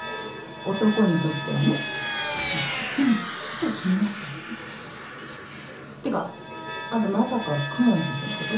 男にとってはねってかあんたまさか公文先生のこと？